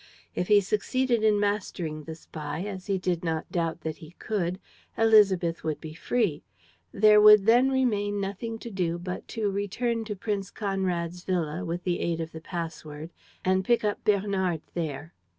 If he succeeded in mastering the spy, as he did not doubt that he could, Élisabeth would be free. There would then remain nothing to do but to return to Prince Conrad's villa, with the aid of the pass word, and pick up Bernard there.